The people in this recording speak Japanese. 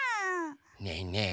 ねえねえ。